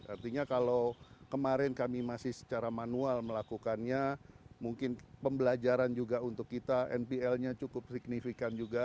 artinya kalau kemarin kami masih secara manual melakukannya mungkin pembelajaran juga untuk kita npl nya cukup signifikan juga